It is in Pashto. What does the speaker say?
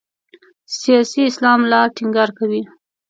سیاسي اسلام لا ټینګار کوي.